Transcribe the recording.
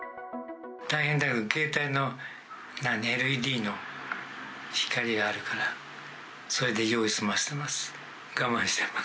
大変だよ、携帯のＬＥＤの光があるから、それで用を済ませてます。